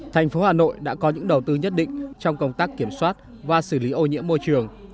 thành phố hà nội đã có những đầu tư nhất định trong công tác kiểm soát và xử lý ô nhiễm môi trường